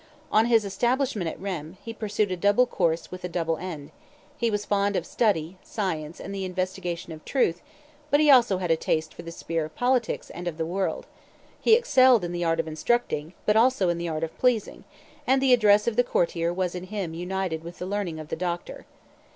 On his establishment at Rheims, he pursued a double course with a double end: he was fond of study, science, and the investigation of truth, but he had also a taste for the sphere of politics and of the world; he excelled in the art of instructing, but also in the art of pleasing; and the address of the courtier was in him united with the learning of the doctor.